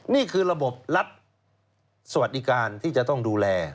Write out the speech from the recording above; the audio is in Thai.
นี่คือระบบรัฐสวัสดิการที่จะต้องดูแล